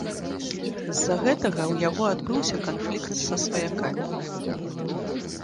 З-за гэтага ў яго адбыўся канфлікт са сваякамі.